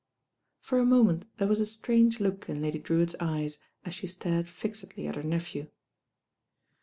For a moment there was a strange look in Lady Drewitt's eyes, as she stared fixedly at her nephew.